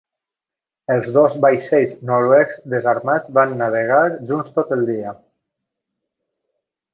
Els dos vaixells noruecs desarmats van navegar junts tot el dia.